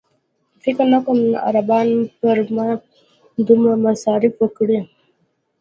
فکر نه کوم عربان پر ما دومره مصارف وکړي.